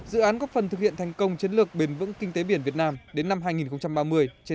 dự án góp phần thực hiện thành công chiến lược bền vững kinh tế biển việt nam đến năm hai nghìn ba mươi trên địa bàn tỉnh phú yên